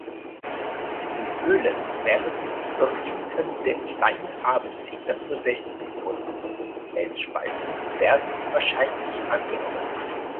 In Höhlen werden überwinternde Kleine Abendsegler nur selten gefunden, Felsspalten werden wahrscheinlich angenommen.